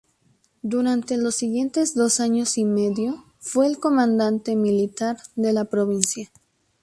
Durante los siguientes dos años y medio fue el comandante militar de la provincia.